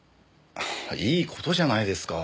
いい事じゃないですか。